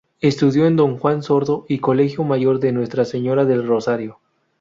Estudió en Don Juan Sordo y Colegio Mayor de Nuestra Señora del Rosario.